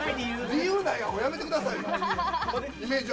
理由ないのやめてくださいよ。